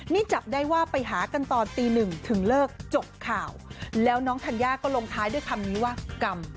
นี่จับได้ว่าไปหากันตอนตีหนึ่งถึงเลิกจบข่าวแล้วน้องธัญญาก็ลงท้ายด้วยคำนี้ว่ากรรม